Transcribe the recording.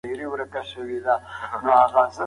الکول د کولمو سرطان سبب کېږي.